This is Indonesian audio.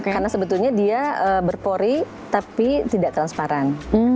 karena sebetulnya dia berpori tapi tidak transparan